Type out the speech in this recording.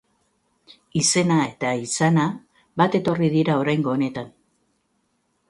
Izena eta izana bat etorri dira oraingo honetan.